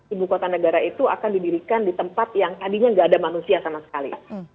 ibu kota negara itu akan didirikan di tempat yang tadinya nggak ada manusia sama sekali